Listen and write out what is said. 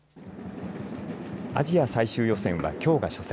アジア最終予選はきょうが初戦。